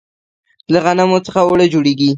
له غنمو څخه اوړه جوړیږي.